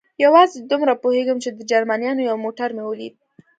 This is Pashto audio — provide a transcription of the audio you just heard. یوازې دومره پوهېږم، چې د جرمنیانو یو موټر مې ولید.